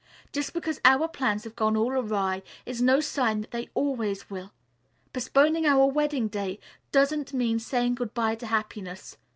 Just because our plans have all gone awry is no sign that they always will. Postponing our wedding day doesn't mean saying good bye to happiness.